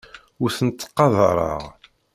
Ur tent-ttqadareɣ.